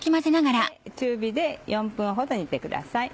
中火で４分ほど煮てください。